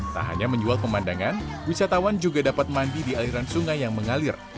tak hanya menjual pemandangan wisatawan juga dapat mandi di aliran sungai yang mengalir